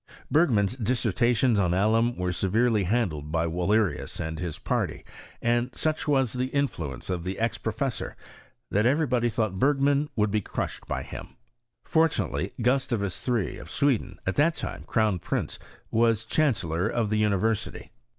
Bergman's Dis sertations on Alum were severely handled by Wal lerius and his party : and such was the influence of the ex professor, that every body thought Bergman would be crushed by him. Fortunately, Gustavus III. of Sweden, at that time crown prince, was chancellor of the university.